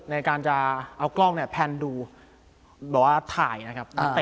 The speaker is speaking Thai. ในการจะเอากล้องแพนดูแบบว่าถ่ายนะครับ